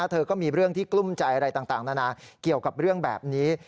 เธอก็มีเรื่องที่กลุ้มใจอะไรต่างนานาเกี่ยวกับเรื่องแบบนี้